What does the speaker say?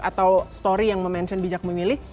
atau story yang mention bijak memilih